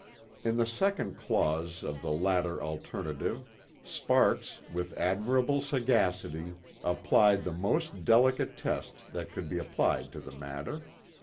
In the second clause of the latter alternative Sparks with admirable sagacity applied the most delicate test that could be applied to the matter.